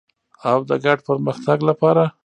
او د ګډ پرمختګ لپاره.